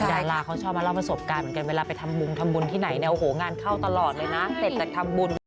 ดาราเขาชอบมาเล่าประสบการณ์เหมือนกันเวลาไปทำมุมทำบุญที่ไหนเนี่ยโอ้โหงานเข้าตลอดเลยนะเสร็จจากทำบุญก็